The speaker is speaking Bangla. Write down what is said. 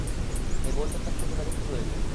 এই বহুল প্রত্যাশিত প্রতিযোগিতা শুরু হয়েছে।